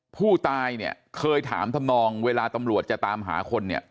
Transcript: ผู้ตายเนี่ยเคยถามทำนองเวลาตำรวจจะตามหาคนเนี่ย